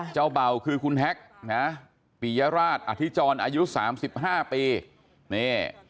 เจ้าเบาคือคุณแฮกปียราชอธิจรอายุ๓๕ปี